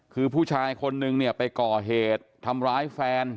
คือผู้ชายคนนึงเนี่ยไปก่อเหตุทำร้ายแฟน